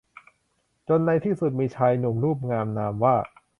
จนในที่สุดก็มีชายหนุ่มรูปงามนามว่า